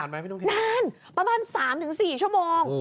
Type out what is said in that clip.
นานประมาณ๓๔ชั่วโมง